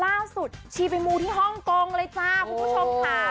ชีไปมูที่ฮ่องกงเลยจ้าคุณผู้ชมค่ะ